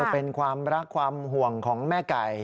เป็นความรักความห่วงของแม่ไก่